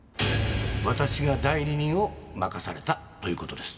私が代理人を任されたという事です。